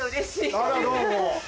あらどうも。